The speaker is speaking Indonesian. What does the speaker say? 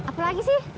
nah mas mur erik bukin